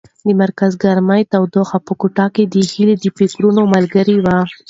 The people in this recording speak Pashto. د مرکز ګرمۍ تودوخه په کوټه کې د هیلې د فکرونو ملګرې وه.